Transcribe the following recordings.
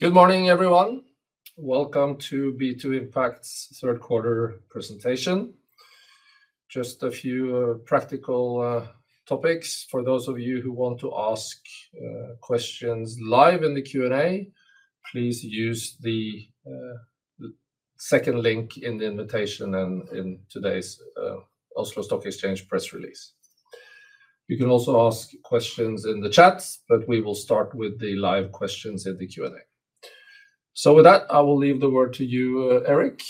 Good morning everyone. Welcome to B2 Impact's third quarter presentation. Just a few practical topics for those of you who want to ask questions live in the Q&A. Please use the second link in the invitation and in today's Oslo Stock Exchange press release. You can also ask questions in the chat, but we will start with the live questions in the Q&A. So with that I will leave the word to you. Erik,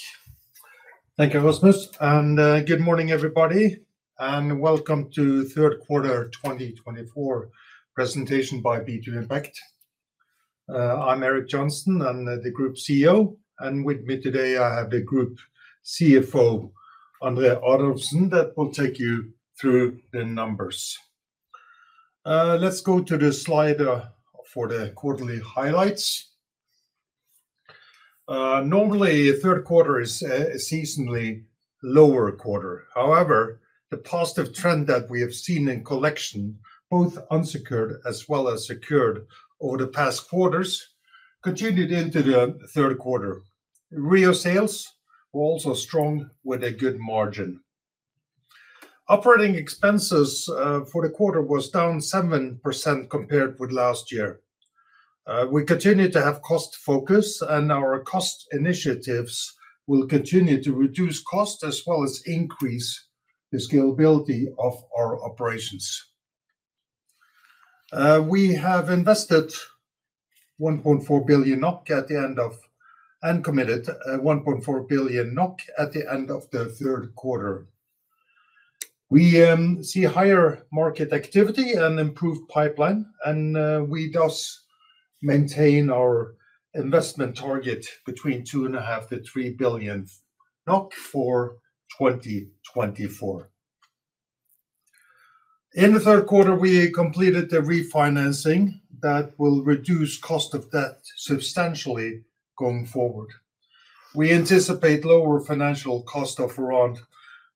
thank you, Rasmus, and good morning. Everybody, and welcome to third quarter 2024 presentation by B2 Impact. I'm Erik Johnsen, the Group CEO, and with me today I have the Group CFO, André Adolfsen, that will take you through the numbers. Let's go to the slide for the quarterly highlights. Normally, third quarter is a seasonally lower quarter. However, the positive trend that we have. Seen in collections, both unsecured as well as secured, over the past quarters continued. Into the third quarter. REO sales were also strong with a good margin. Operating expenses for the quarter was down. 7% compared with last year. We continue to have cost focus and our cost initiatives will continue to reduce cost as well as increase the scalability of our operations. We have invested 1.4 billion NOK at the end of and committed 1.4 billion NOK at the end of the third quarter. We see higher market activity and improved pipeline and we thus maintain our investment target between 2.5 and 3 billion NOK for 2024. In the third quarter we completed the refinancing that will reduce cost of debt substantially. Going forward. We anticipate lower financial cost of around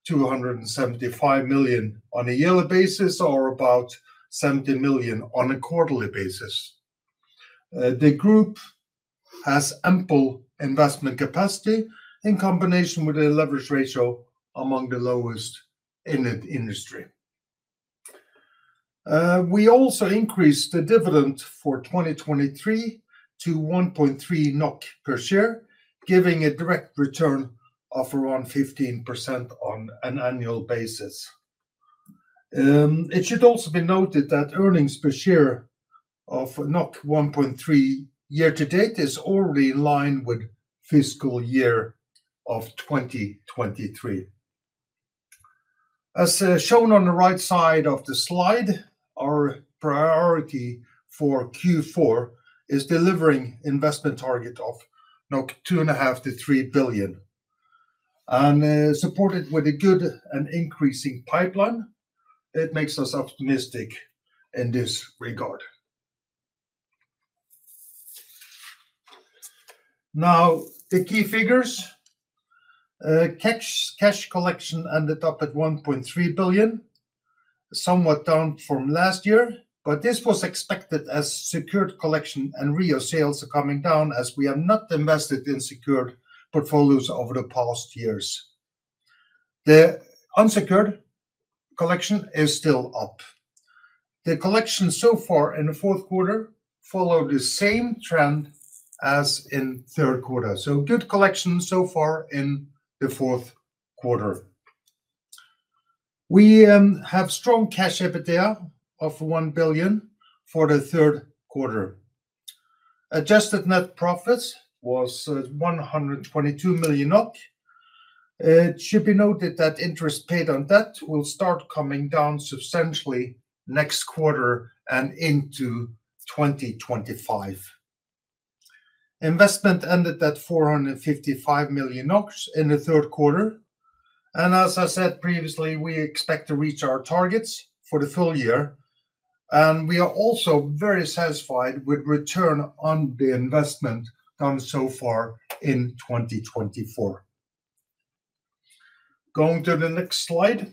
275 million on a yearly basis or. About 70 million on a quarterly basis. The group has ample investment capacity in combination with a leverage ratio among the. Lowest in the industry. We also increased the dividend for 2023 to 1.3 NOK per share, giving a direct return of around 15% on an annual basis. It should also be noted that earnings per share of 1.3 NOK year to date is already in line with fiscal year of 2023 as shown on the right side of the slide. Our priority for Q4 is delivering investment. Target of 2.5 to. 3 billion and supported with a good and increasing pipeline. It makes us optimistic in this regard. Now the key figures. Cash collection ended up at 1.3 billion, somewhat down from last year, but this was expected as secured collection and real sales are coming down as we have not invested in secured portfolios over the past years. The unsecured collection is still up. The collection so far in the fourth quarter follow the same trend as in third quarter. So good collection so far. In the fourth quarter we have strong Cash EBITDA of 1 billion for the third quarter. Adjusted net profits was EUR 122 million. It should be noted that interest paid on debt will start coming down substantially next quarter and into 2025. Investment ended at NOK $455 million in the third quarter and as I said previously we expect to reach our targets for the full year and we are also very satisfied with return on the investment done so far in 2020. Going to the next slide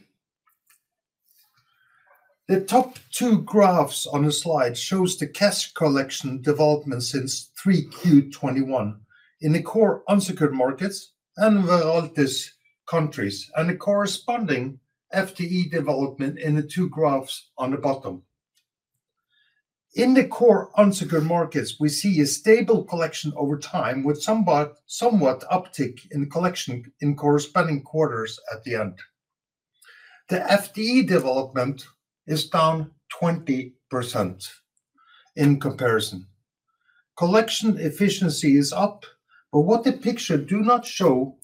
the top two graphs on the slide shows the cash collection development since third quarter 21 in the core unsecured markets and Veraltis countries and the corresponding FTE development in the two graphs on the bottom in the core unsecured markets we see a stable collection over time with somewhat uptick in collection in corresponding quarters. At the end the FTE development is down 20%. In comparison collection efficiency is up, but what the picture does not show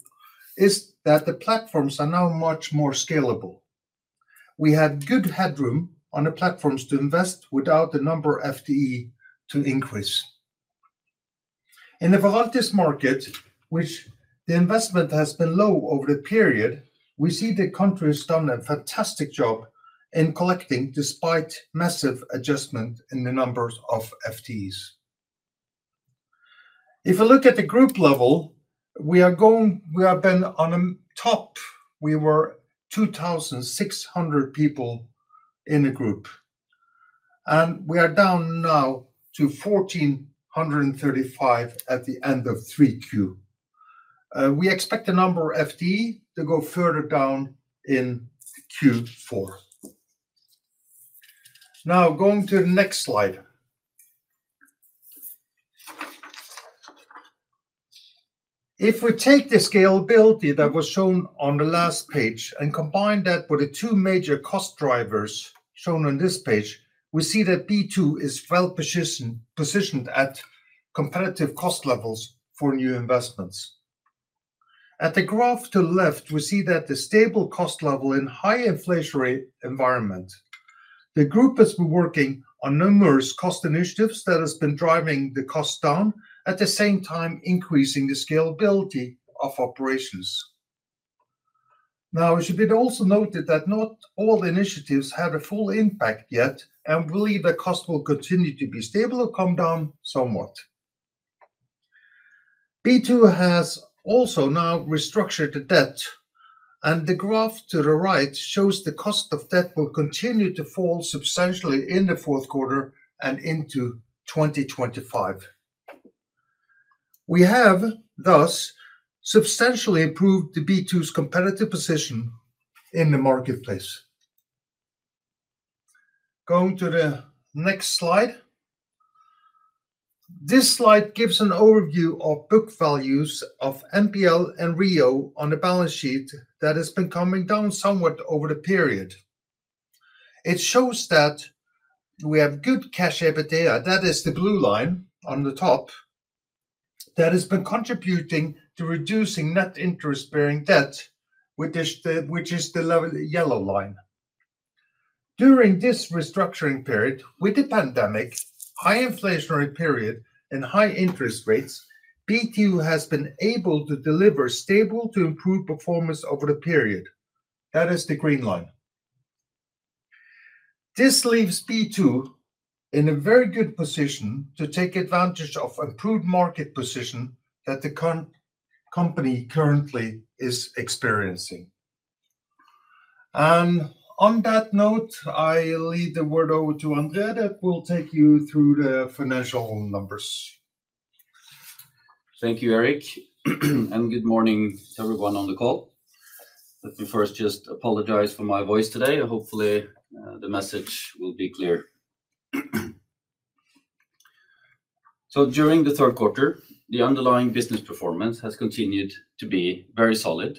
is that the platforms are now much more scalable. We have good headroom on the platforms to invest without the number FTE to. Increase. In the Veraltis market, which the investment has been low over the period. We see the company has done a fantastic job in collecting despite massive adjustment in the numbers of FTEs. If you look at the group level, we are going we have been on the top, we were 2,600 people in the group and we are down now to 1,435. At the end of 3Q we expect the number of FTE to go further down in Q4. Now going to the next slide. If we take the scalability that was shown on the last page and combine that with the two major cost drivers shown on this page, we see that B2 is well positioned at competitive cost levels for new investments. On the graph to the left we see that the stable cost level in high inflationary environment the group has been working on numerous cost initiatives that has been driving the cost down at the same time increasing the scalability of operations. Now it should be also noted that not all initiatives had a full impact yet and believe the cost will continue to be stable or come down somewhat. B2 has also now restructured the debt and the graph to the right shows the cost of debt will continue to fall substantially in the fourth quarter and into 2025. We have thus substantially improved the B2's competitive position in the marketplace. Going to the next slide this slide gives an overview of book values of NPL and REO on the balance sheet that has been coming down somewhat over the period. It shows that we have good cash EBITDA that is the blue line on the top that has been contributing to reducing net interest-bearing debt which is the yellow line during this restructuring period. With the pandemic, high inflationary period and high interest rates, B2 has been able to deliver stable to improved performance over the period that is the green line. This leaves B2 in a very good position to take advantage of improved market position that the current company currently is experiencing. On that note, I leave the word over to André that will take you through the financial numbers. Thank you, Erik, and good morning to everyone on the call. Let me first just apologize for my voice today. Hopefully the message will be clear. So during the third quarter the underlying business performance has continued to be very solid.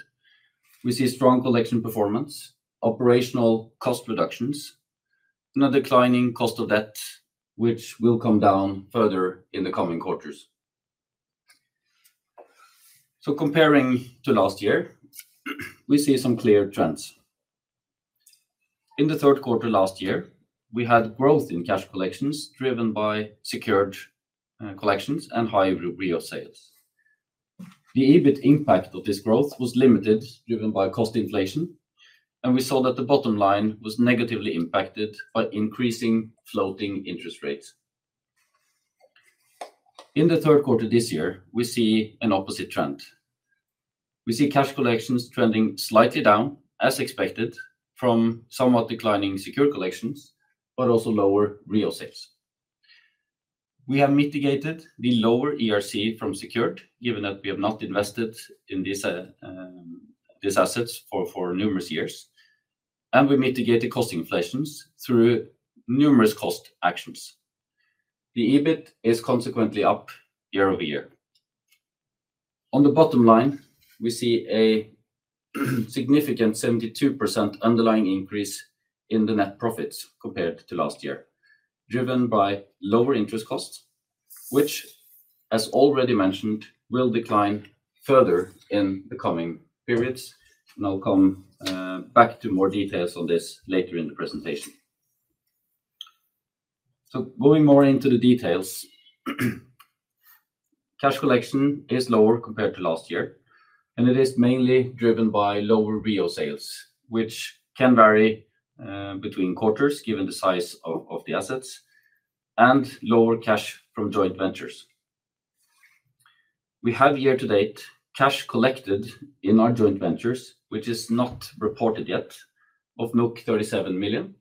We see strong collection performance, operational cost reductions and a declining cost of debt which will come down further in the coming quarters. So comparing to last year we see some clear trends in the third quarter. Last year we had growth in cash collections driven by secured collections and high real sales. The EBIT impact of this growth was limited driven by cost inflation and we saw that the bottom line was negatively impacted by increasing floating interest rates in the third quarter. This year we see an opposite trend. We see cash collections trending slightly down as expected from somewhat declining secured collections but also lower REO sales. We have mitigated the lower ERC from secured given that we have not invested in these assets for numerous years and we mitigate the cost inflation through numerous cost actions. The EBIT is consequently up year-over-year. On the bottom line we see a significant 72% underlying increase in the net profits compared to last year driven by lower interest costs which as already mentioned will decline further in the coming periods. Now come back to more details on this later in the presentation. So going more into the details, cash collection is lower compared to last year and it is mainly driven by lower REO sales which can vary between quarters given the size of the assets and lower cash from joint ventures. We have year-to-date cash collected in our joint ventures, which is not reported yet, of 37 million.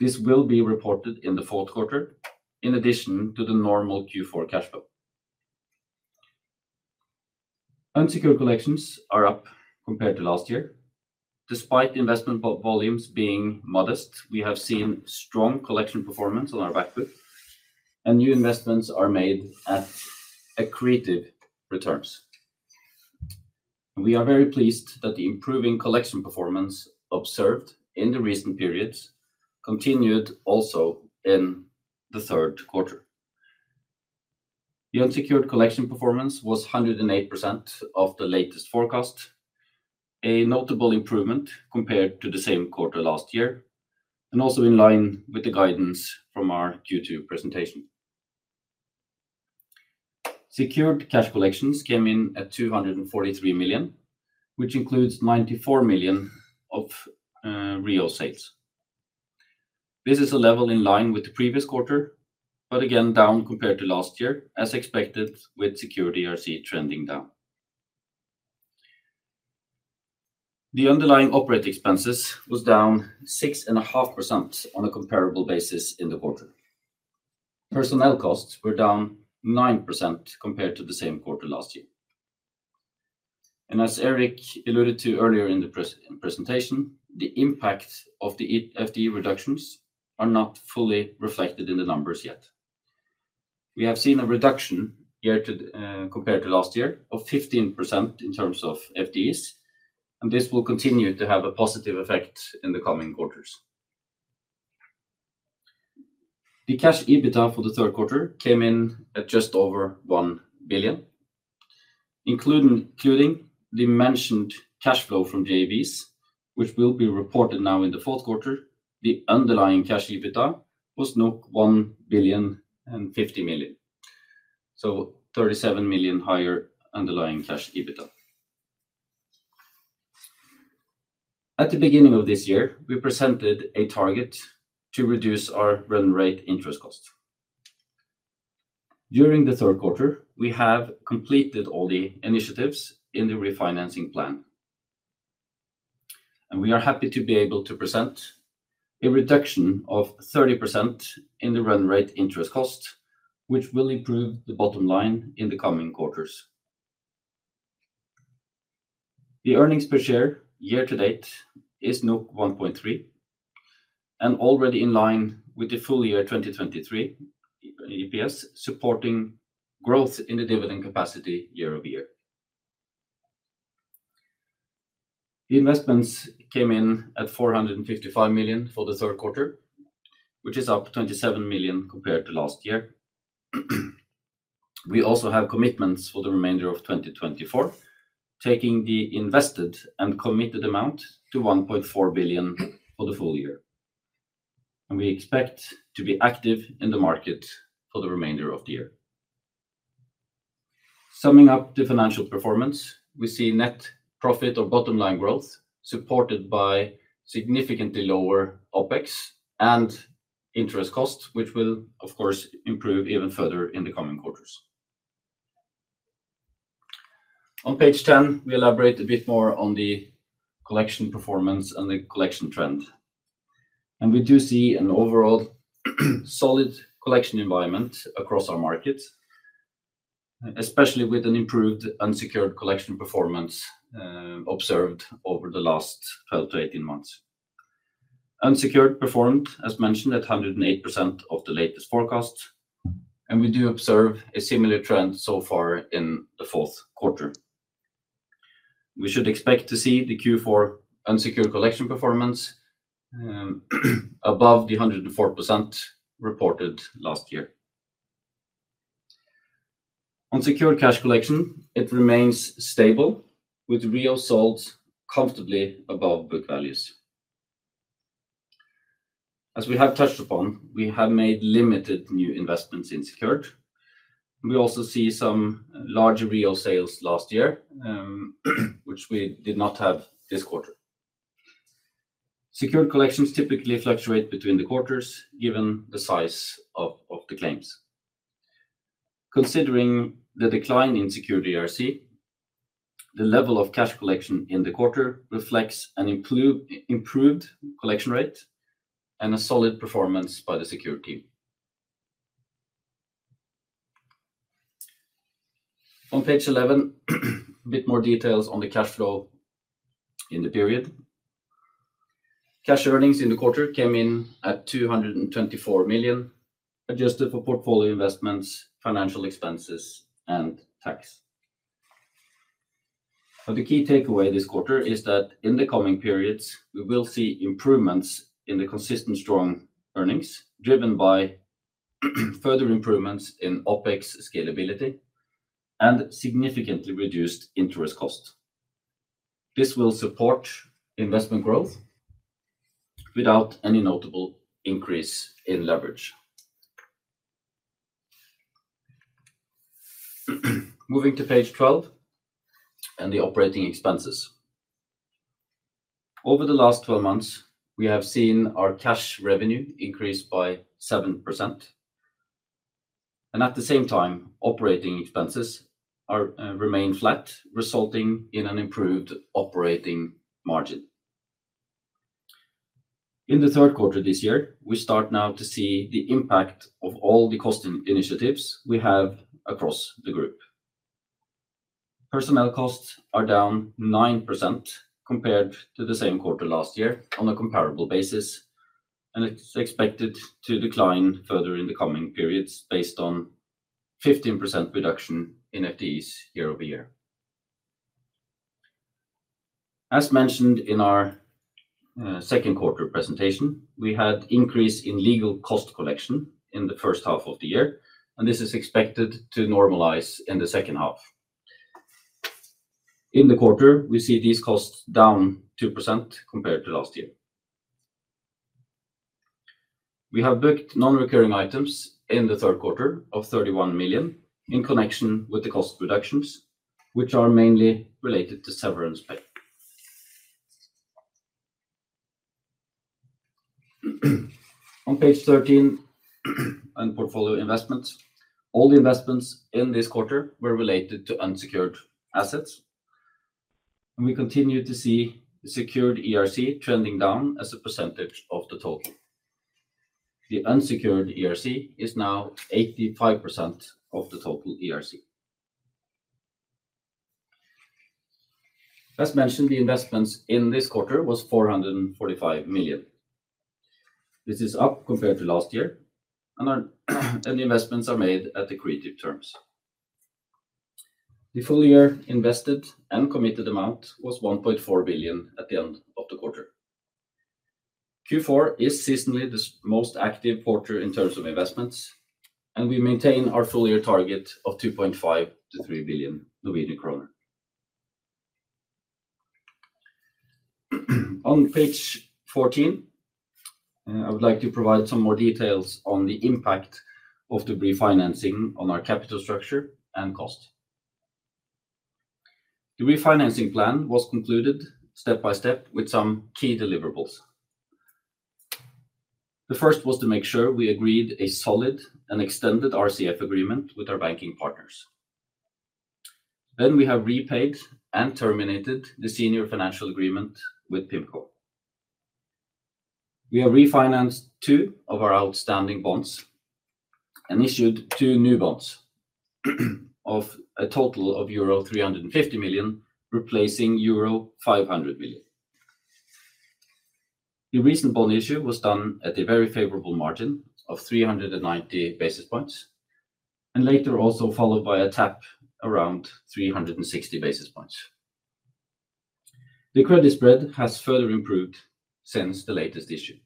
This will be reported in the fourth quarter. In addition to the normal Q4 cash flow, unsecured collections are up compared to last year despite investment volumes being modest. We have seen strong collection performance on our back book and new investments are made at accretive returns. We are very pleased that the improving collection performance observed in the recent periods continued. Also, in the third quarter, the unsecured collection performance was 108% of the latest forecast, a notable improvement compared to the same quarter last year and also in line with the guidance from our Q2 presentation. Secured cash collections came in at 243 million, which includes 94 million of REO. This is a level in line with the previous quarter but again down compared to last year. As expected with secured RCF trending down, the underlying operating expenses was down 6.5% on a comparable basis in the quarter. Personnel costs were down 9% compared to the same quarter last year and as Erik alluded to earlier in the presentation, the impact of the FTE reductions are not fully reflected in the numbers yet. We have seen a reduction year to compared to last year of 15% in terms of FTE and this will continue to have a positive effect in the coming quarters. The cash EBITDA for the third quarter came in at just over 1 billion including the mentioned cash flow from JVs which will be reported now in the fourth quarter. The underlying cash EBITDA was 1,050,000,000, so 37 million higher. Underlying cash EBITDA at the beginning of this year we presented a target to reduce our run rate interest cost during the third quarter. We have completed all the initiatives in the refinancing plan and we are happy to be able to present a reduction of 30% in the run rate interest cost which will improve the bottom line in the coming quarters. The earnings per share year to date is 1.3 and already in line with the full year 2023 EPS supporting growth in the dividend capacity year-over-year. The investments came in at 455 million for the third quarter, which is up 27 million compared to last year. We also have commitments for the remainder of 2024 taking the invested and committed amount to 1.4 billion for the full year and we expect to be active in the market for the remainder of the year. Summing up the financial performance, we see net profit or bottom line growth supported by significantly lower OPEX and interest cost which will of course improve even further in the coming quarters. On page 10 we elaborate a bit more on the collection performance and the collection trend and we do see an overall solid collection environment across our markets, especially with an improved unsecured collection performance observed over the last 12-18 months. Unsecured performed as mentioned at 108% of the latest forecast, and we do observe a similar trend so far in the fourth quarter. We should expect to see the Q4 unsecured collection performance above the 104% reported last year on secured cash collection. It remains stable with REO sold comfortably above book values. As we have touched upon, we have made limited new investments in secured. We also see some larger REO sales last year which we did not have this quarter. Secured collections typically fluctuate between the quarters given the size of the claims. Considering the decline in secured ERC, the level of cash collection in the quarter reflects an improved collection rate and a solid performance by the secured team. On page 11, a bit more details on the cash flow in the period. Cash earnings in the quarter came in at 224 million adjusted for portfolio investments, financial expenses and tax. But the key takeaway this quarter is that in the coming periods we will see improvements in the consistent strong earnings driven by further improvements in OpEx scalability and significantly reduced interest cost. This will support investment growth without any notable increase in leverage. Moving to page 12, and the operating expenses over the last 12 months we have seen our cash revenue increase by 7% and at the same time operating expenses remain flat resulting in an improved operating margin in the third quarter this year. We start now to see the impact of all the cost initiatives we have across the group. Personnel costs are down 9% compared to the same quarter last year on a comparable basis, and it's expected to decline further in the coming periods based on 15% reduction in FTEs year-over-year. As mentioned in our second quarter presentation, we had increase in legal cost collection in the first half of the year, and this is expected to normalize in the second half. In the quarter, we see these costs down 2% compared to last year. We have booked non-recurring items in 3Q, 31 million in connection with the cost reductions, which are mainly related to severance pay. On page 13 and portfolio investments. All the investments in this quarter were related to unsecured assets, and we continue to see secured ERC trending down as a percentage of the total. The unsecured ERC is now 85% of the total ERC. As mentioned, the investments in this quarter was 445 million. This is up compared to last year and investments are made at accretive terms. The full year invested and committed amount was 1.4 billion at the end of the quarter. Q4 is seasonally the most active quarter in terms of investments and we maintain our full year target of 2.5 billion-3 billion Norwegian kroner. On page 14 I would like to provide some more details on the impact of the refinancing on our capital structure and cost. The refinancing plan was concluded step by step with some key deliverables the first was to make sure we agreed a solid and an extended RCF agreement with our banking partners. Then we have repaid and terminated the senior facility agreement with PIMCO. We have refinanced two of our outstanding bonds and issued two new bonds of a total of euro 350 million replacing euro 500 million. The recent bond issue was done at a very favorable margin of 390 basis points and later also followed by a tap around 360 basis points. The credit spread has further improved since the latest issue.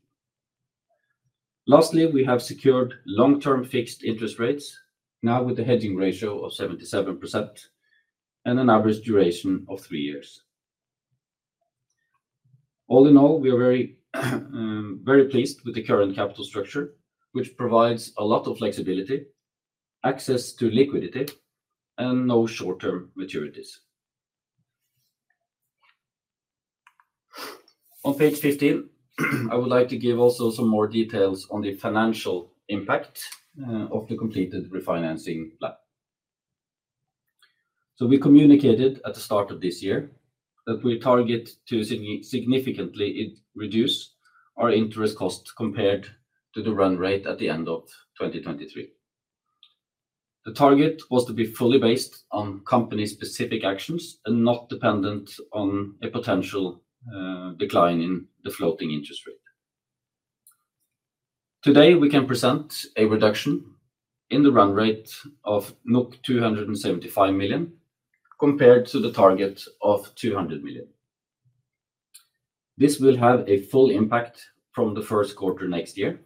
Lastly, we have secured long term fixed interest rates now with a hedging ratio of 77% and an average duration of three years. All in all we are very very pleased with the current capital structure which provides a lot of flexibility, access to liquidity and no short term maturities. On page 15 I would like to give also some more details on the financial impact of the completed refinancing. So we communicated at the start of this year that we target to significantly reduce our interest cost compared to the run rate at the end of 2023. The target was to be fully based on company specific actions and not dependent on a potential decline in the floating interest rate. Today we can present a reduction in the run rate of 275 million compared to the target of 200 million. This will have a full impact from the first quarter next year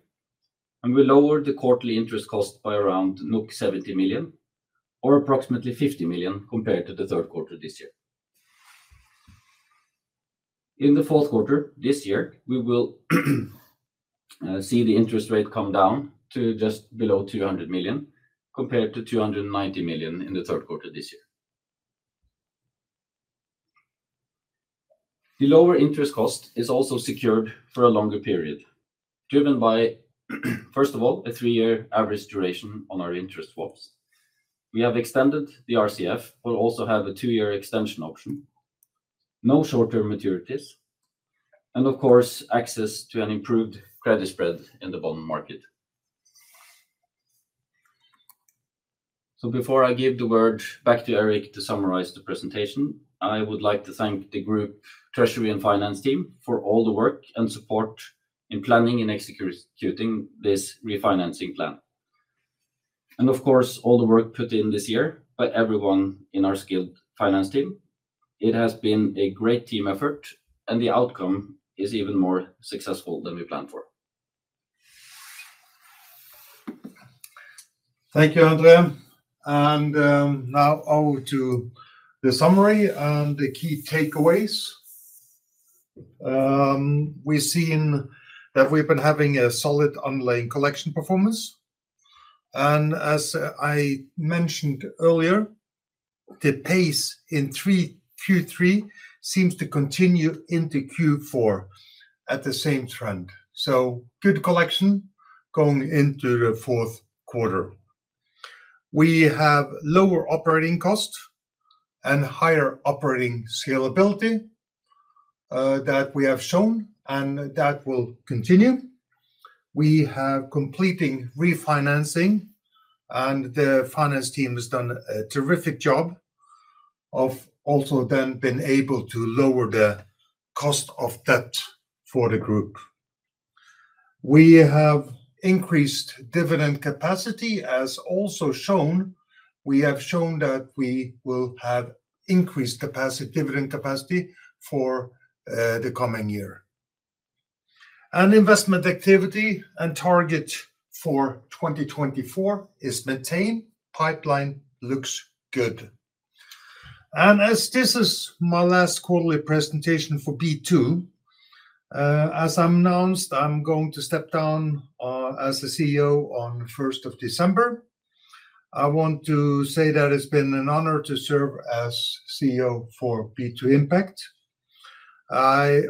and will lower the quarterly interest cost by around 70 million or approximately 50 million compared to the third quarter this year. In the fourth quarter this year we will see the interest rate come down to just below 200 million compared to 290 million in the third quarter this year. The lower interest cost is also secured for a longer period driven by first of all a three-year average duration on our interest swaps. We have extended the RCF but also have a two-year extension option, no short-term maturities and of course access to an improved credit spread in the bond market. So before I give the word back to Erik to summarize the presentation, I would like to thank the Group treasury and finance team for all the work and support in planning and executing this refinancing plan and of course all the work put in this year by everyone in our skilled finance team. It has been a great team effort and the outcome is even more successful than we planned for. Thank you André. Now over to the summary and the key takeaways. We've seen that we've been having a solid online collection performance and as I mentioned earlier the pace in Q3 seems. To continue into Q4 at the same trend. So good collection going into the fourth quarter. We have lower operating cost and higher operating scalability that we have shown and that will continue. We have completed refinancing and the finance team has done a terrific job of. Also then being able to lower the cost of debt for the group. We have increased dividend capacity as also shown. We have shown that we will have. Increased dividend capacity for the coming year. Investment activity and target for 2024 is maintain pipeline looks good, and as this is my last quarterly presentation for B2, as announced, I'm going to step down as a CEO on 1st of December. I want to say that it's been an honor to serve as CEO for B2Impact. I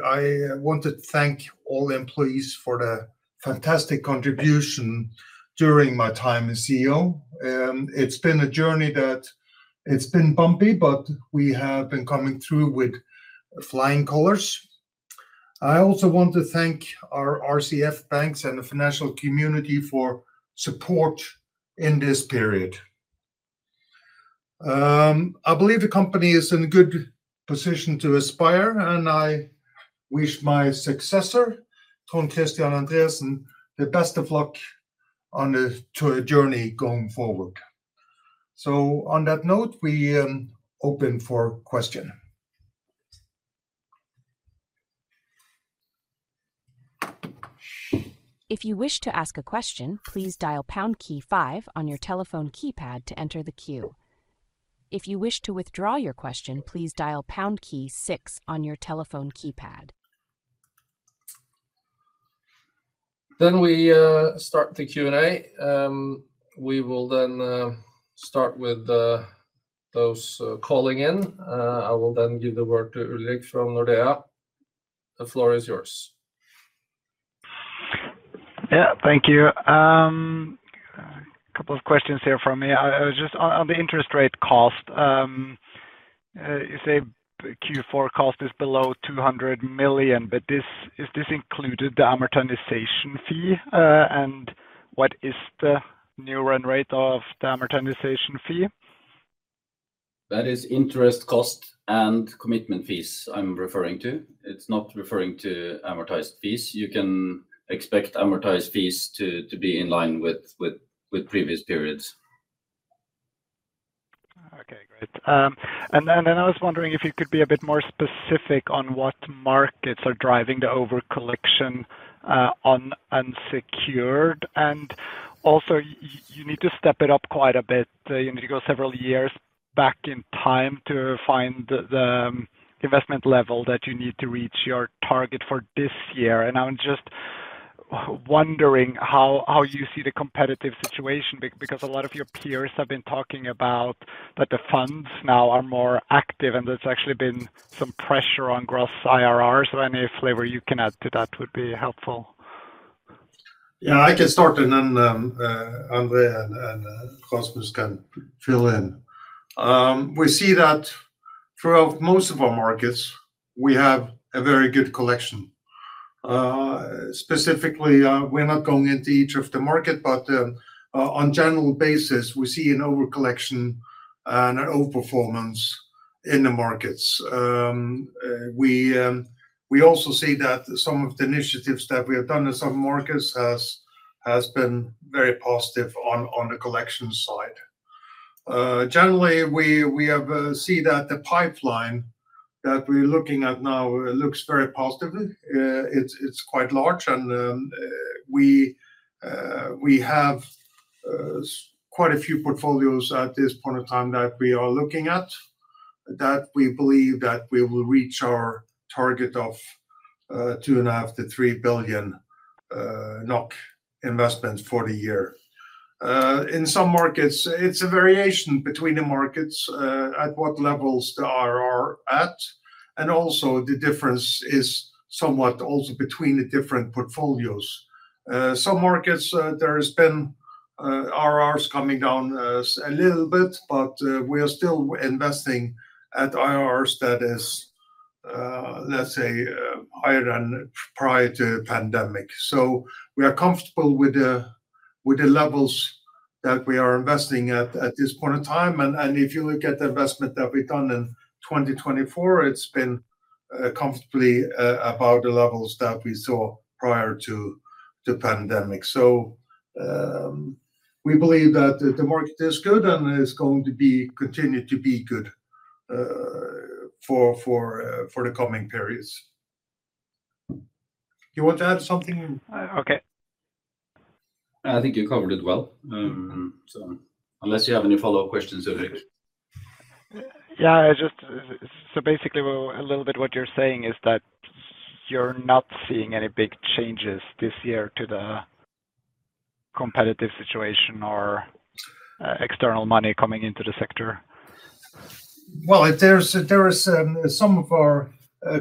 want to thank all employees for the fantastic contribution during my time as CEO. It's been a journey that it's been bumpy but we have been coming through with flying colors. I also want to thank our RCF banks and the financial community for support in this period. I believe the company is in good position to aspire and I wish my successor Trond Kristian Andreassen the best of luck on the tough journey going forward. So on that note, we open for questions. If you wish to ask a question, please dial pound key five on your telephone keypad to enter the queue. If you wish to withdraw your question, please dial key 6 on your telephone keypad. Then we start the Q&A. We will then start with those calling in. I will then give the word to Ulrik from Nordea. The floor is yours. Yeah, thank you. A couple of questions here from me just on the interest rate cost. You say Q4 cost is below 200 million. But is this included the amortization fee and what is the new run rate of the amortization fee? That is interest cost and commitment fees. I'm referring to. It's not referring to amortized fees. You can expect amortized fees to be in line with previous periods. Okay, great. And then I was wondering if you could be a bit more specific on what markets are driving the over collection on unsecured. And also you need to step it up quite a bit. You need to go several years back in time to find the investment level that you need to reach your target for this year. And I'm just wondering how you see the competitive situation because a lot of your peers have been talking about that the funds now are more active and there's actually been some pressure on gross IRR. So any flavor you can add to that would be helpful. Yeah, I can start and then André and Rasmus can fill in. We see that throughout most of our markets we have a very good collection. Specifically we're not going into each of the markets but on general basis we see an over collection and an over performance in the markets. We also see that some of the initiatives that we have done in some markets has been very positive on the collection side. Generally we have seen that the pipeline that we're looking at now looks very positive. It's quite large and we have quite a few portfolios at this point in time that we are looking at that we believe that we will reach our target of 2.5–3 billion NOK investment for the year. In some markets it's a variation between the markets at what levels the IRR at and also the difference is somewhat also between the different portfolios. Some markets there has been IRRs coming down a little bit but we are still investing at IRRs that is let's say higher than prior to pandemic. So we are comfortable with the levels that we are investing at this point in time. And if you look at the investment that we've done in 2024, it's been comfortably about the levels that we saw prior to the pandemic. So we believe that the market is good and is going to be continue to be good for the coming periods. You want to add something? Okay, I think you covered it well. So, unless you have any follow-up questions, Ulrik? Yeah, so basically a little bit what you're saying is that you're not seeing any big changes this year to the competitive situation or external money coming into the sector. There is some of our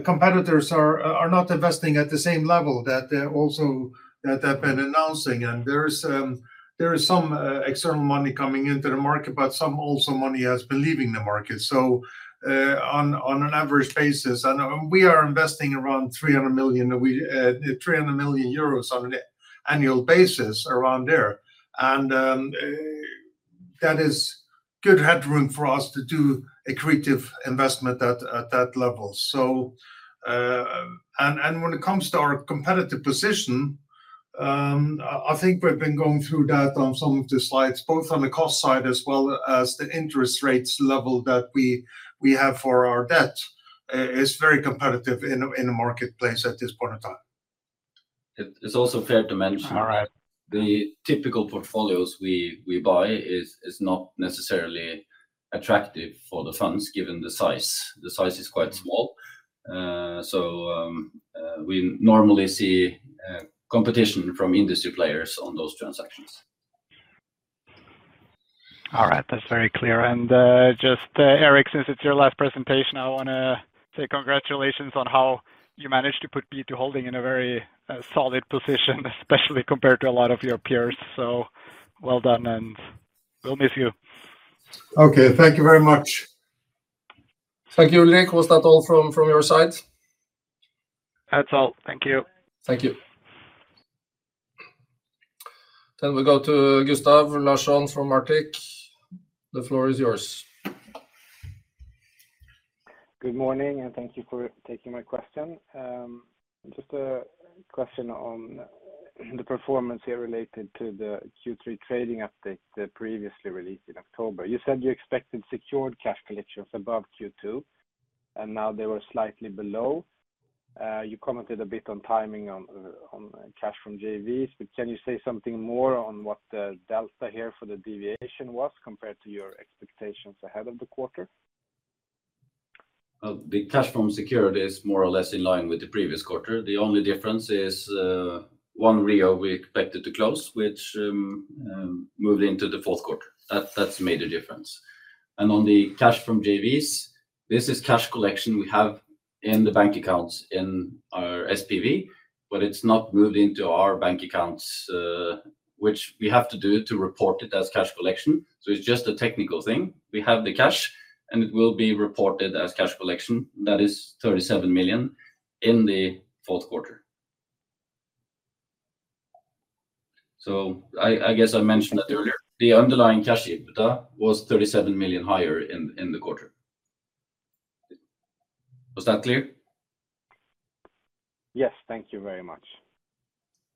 competitors. Are not investing at the same level. That there are also that have been announcing, and there is some external money coming into the market, but some money has also been leaving the market, so on an average basis, and we are investing around 300 million 300 million euros on an annual basis around there. That is good headroom for us to do accretive investment at that level. So when it comes to our competitive position, I think we've been going through that on some of the slides both on the cost side as well as the interest rates level that we have for our debt is very competitive in the marketplace at this point in time. It's also fair to mention the typical portfolios we buy is not necessarily attractive. The funds given the size, the size is quite small. So we normally see competition from industry players on those transactions. All right, that's very clear and just. Erik, since it's your last presentation, I want to say congratulations on how you managed to put B2Holding in a very solid position, especially compared to a lot of your peers. So well done and we'll miss you. Okay, thank you very much. Thank you, Ulrik. Was that all from your side? That's all. Thank you. Thank you. Then we go to Gustav Løchen from Arctic. The floor is yours. Good morning and thank you for taking my question. Just a question on the performance here related to the Q3 trading update previously released in October. You said you expected secured cash collections above Q2 and now they were slightly below. You commented a bit on timing on cash from JVs, but can you say something more on what the delta here for the deviation was compared to your expectations ahead of the quarter? The cash from secured is more or less in line with the previous quarter. The only difference is one REO we expected to close, which moved into the fourth quarter. That's made a difference. And on the cash from JVs, this is cash collection we have in the bank accounts in our SPV, but it's not moved into our bank accounts, which we have to do to report it as cash collection. So it's just a technical thing. We have the cash and it will be reported as cash collection. That is 37 million in the fourth quarter. So I guess I mentioned that earlier, the underlying cash EBITDA was 37 million higher in the quarter. Was that clear? Yes. Thank you very much.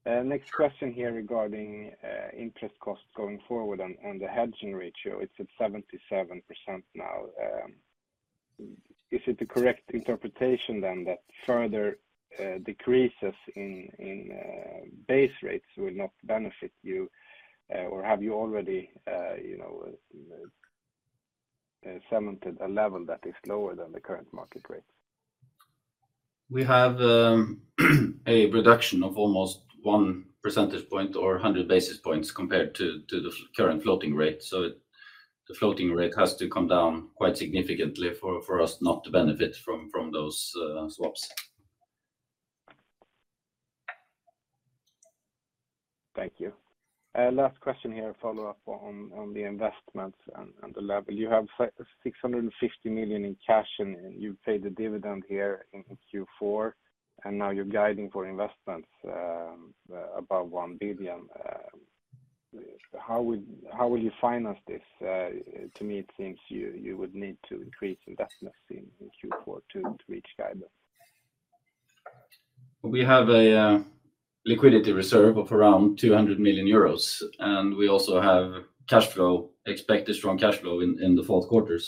Next question here. Regarding interest cost going forward on the hedging ratio, it's at 77% now, is it the correct interpretation then that further decreases in base rates will not benefit you or have you already, you know, cemented a level that is lower than the current market rates? We have a reduction of almost one percentage point or 100 basis points compared to the current floating rate. So the floating rate has to come down quite significantly for us not to benefit from those swaps. Thank you. Last question here. Follow up on the investments and the level. You have 650 million in cash and you paid the dividend here in Q4 and now you're guiding for investments above 1 billion. How will you finance this? To me, it seems you would need to increase indebtedness in Q4 to reach guidance. We have a liquidity reserve of around 200 million euros, and we also have cash flow expected, strong cash flow in the fourth quarter,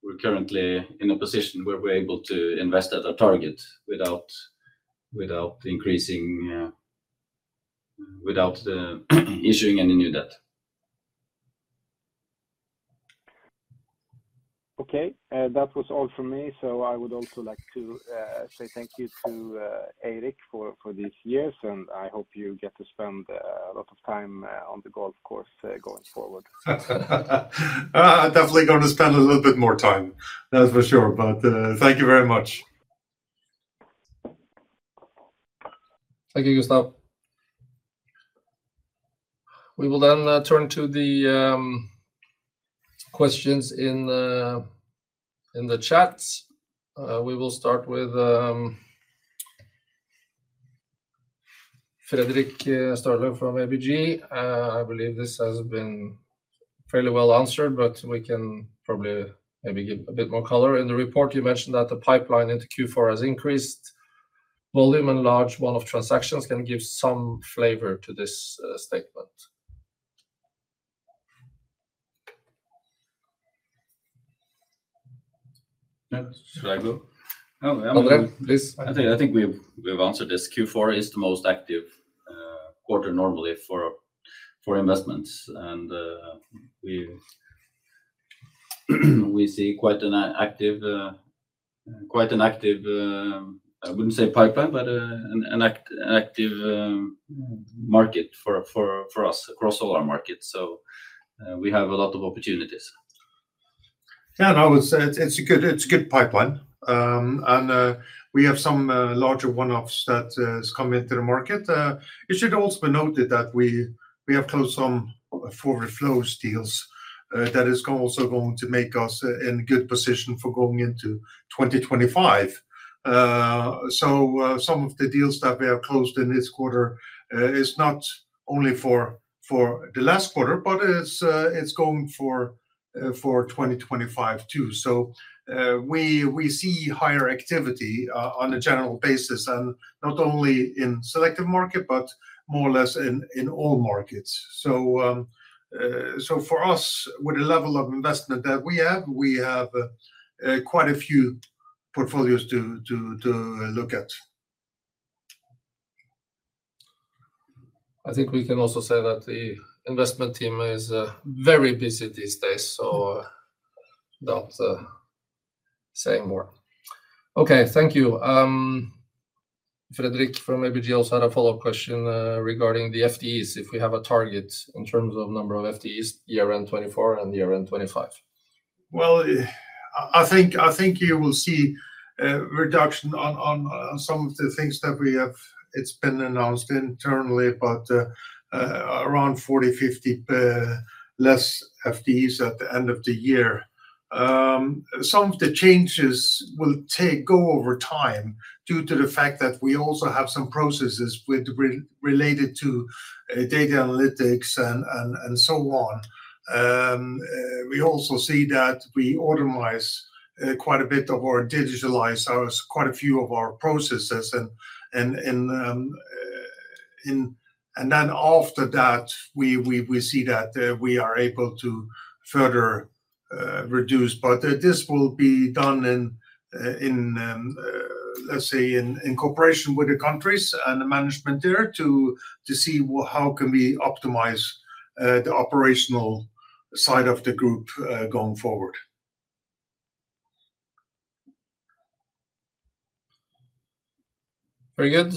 so we're currently in a position where we're able to invest at our target without increasing, without issuing any new debt. Okay. That was all for me. So I would also like to say thank you to Erik for these years and I hope you get to spend a lot of time on the golf course going forward. Definitely going to spend a little bit more time, that's for sure. But thank you very much. Thank you Gustav. We will then turn to the questions in the chats. We will start with Frederik Steinslien from ABG. I believe this has been fairly well answered but we can probably maybe give a bit more color. In the report you mentioned that the pipeline into Q4 has increased volume and large one-off transactions. Can give some flavor to this statement. I think we've answered this. Q4 is the most active quarter normally for investments and we see quite an active, I wouldn't say pipeline but an active market for us across all our markets. So we have a lot of opportunities. Yeah, no, it's, it's a good, it's a good pipeline and we have some larger one offs that has come into the market. It should also be noted that we, we have closed some forward flows deals that is also going to make us in good position for going into 2025. So some of the deals that we have closed in this quarter is not only for, for the last quarter but it's going for 2025 too. So we see higher activity on a general basis and not only in selective market but more or less in all markets. So for us with the level of investment that we have we have quite a few portfolios to look at. I think we can also say that the investment team is very busy these days so don't say more. Okay, thank you. Fredrik from ABG also had a follow up question regarding the FTEs. If we have a target in terms of number of FTEs year end 2024 and year end 2025. I think you will see reduction on some of the things that we have. It's been announced internally but around 40–50 less FTEs at the end of the year. Some of the changes will take place over time due to the fact that we also have some processes related to data analytics and so on. We also see that we automate quite a bit of our digitalized quite a few of our processes and then after that we see that we are able to further reduce but this will be done in, let's say, cooperation with the countries and the management there to see how can we optimize the operational side of the group going forward. Very good.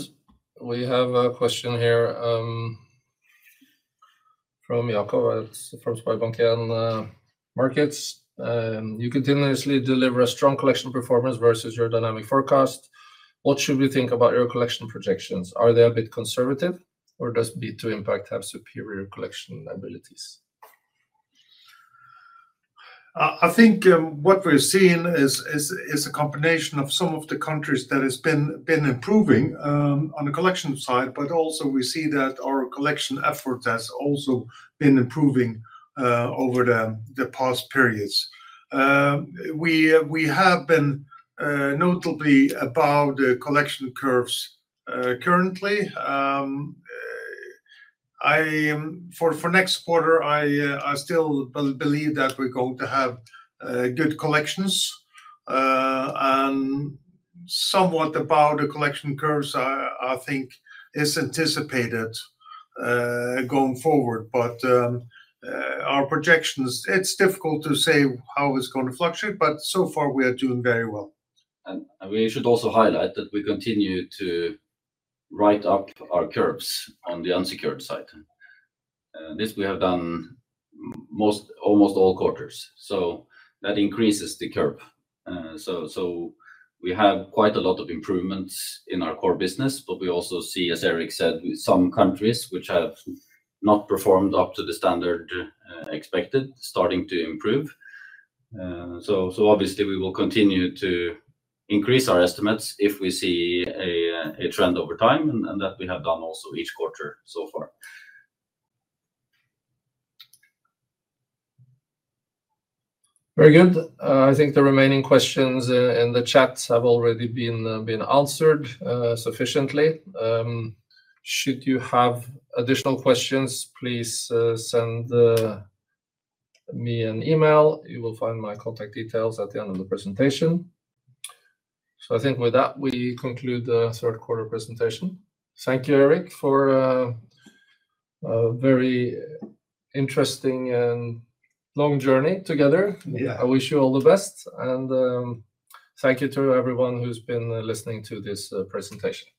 We have a question here from Jacobian Markets. You continuously deliver a strong collection performance versus your dynamic forecast. What should we think about your collection projections? Are they a bit conservative or does B2Impact have superior collection abilities? I think what we're seeing is a combination of some of the countries that has been improving on the collection side. But also we see that our collection effort has also been improving over the past periods. We have been notably above the collection curves. Currently. I'm forward for next quarter. I still believe that we're going to have good collections and something about the collection curves. I think it's anticipated going forward, but our projections, it's difficult to say how it's going to fluctuate, but so far we are doing very well and. We should also highlight that we continue to write up our curves on the unsecured side. This we have done almost all quarters so that increases the curve. So we have quite a lot of improvements in our core business. But we also see, as Erik said, some countries which have not performed up to the standard expected starting to improve. So obviously we will continue to increase our estimates if we see a trend over time and that we have done also each quarter so far. Very good. I think the remaining questions in the chat have already been answered sufficiently. Should you have additional questions, please send me an email. You will find my contact details at the end of the presentation. So I think with that we conclude the third quarter presentation. Thank you Erik for a very interesting and long journey together. I wish you all the best and thank you to everyone who's been listening to this presentation.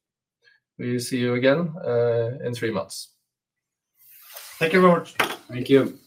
We see you again in three months. Thank you Rasmus. Thank you.